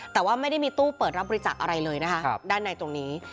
แต่ว่าไม่ได้มีตู้เปิดรับบริจาคอะไรเลยนะคะด้านในตรงนี้